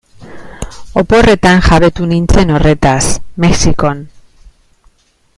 Oporretan jabetu nintzen horretaz, Mexikon.